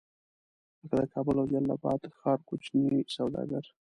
لکه د کابل او جلال اباد ښار کوچني سوداګر.